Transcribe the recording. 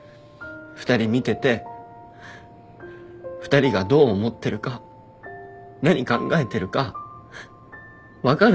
２人見てて２人がどう思ってるか何考えてるか分かるから。